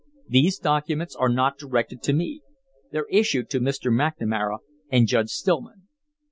"These documents are not directed to me. They're issued to Mr. McNamara and Judge Stillman.